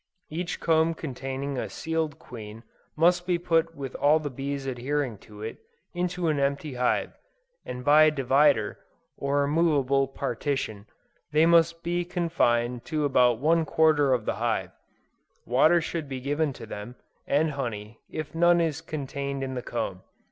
Each comb containing a sealed queen must be put with all the bees adhering to it, into an empty hive; and by a divider, or movable partition, they must be confined to about one quarter of the hive; water should be given to them, and honey, if none is contained in the comb.